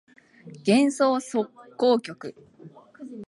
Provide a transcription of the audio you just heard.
幻想即興曲